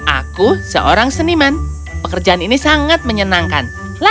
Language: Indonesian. aku seorang seniman pekerjaan ini sangat menyenangkan